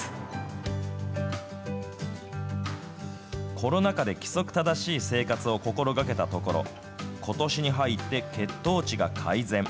コロナ禍で規則正しい生活を心がけたところ、ことしに入って、血糖値が改善。